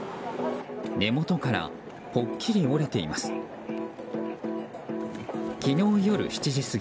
根元からぽっきり折れています。